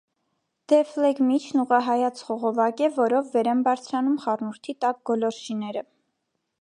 Դեֆլեգմիչն ուղղահայաց խողովակ է, որով վեր են բարձրանում խառնուրդի տաք գոլորշիները։